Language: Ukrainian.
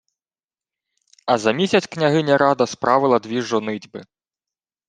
А за місяць княгиня Рада справила дві жонитьби: